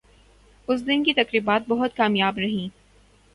اس دن کی تقریبات بہت کامیاب رہیں